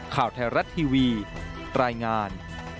ข่าวไทยรัฐทีวีรายงาน